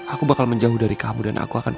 aku bakal menjauh dari kamu dan aku akan